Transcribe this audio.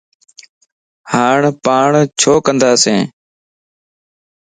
ھاڻ پاڻ ڇو ڪنداسين؟